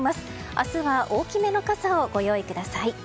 明日は大きめの傘をご用意ください。